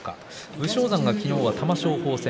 武将山、昨日は玉正鳳戦。